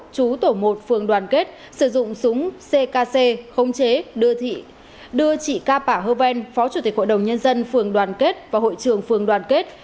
chú tổ một phường đoàn kết sử dụng súng ckc không chế đưa chỉ ca bảo hơ vên phó chủ tịch hội đồng nhân dân phường đoàn kết và hội trường phường đoàn kết